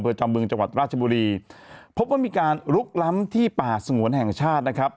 จำบึงจังหวัดราชบุรีพบว่ามีการลุกล้ำที่ป่าสงวนแห่งชาตินะครับ